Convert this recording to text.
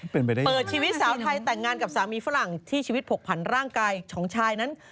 เป็นไปได้เปิดชีวิตสาวไทยแต่งงานกับสามีฝรั่งที่ชีวิตผกผันร่างกายของชายนั้น